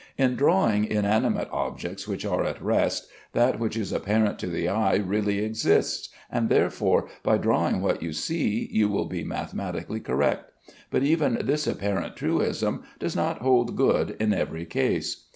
In drawing inanimate objects which are at rest, that which is apparent to the eye really exists, and therefore by drawing what you see, you will be mathematically correct; but even this apparent truism does not hold good in every case.